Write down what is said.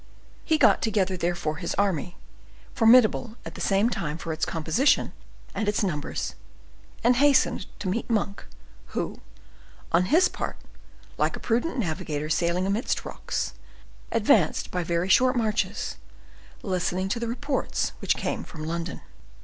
He got together, therefore, his army, formidable at the same time for its composition and its numbers, and hastened to meet Monk, who, on his part, like a prudent navigator sailing amidst rocks, advanced by very short marches, listening to the reports which came from London.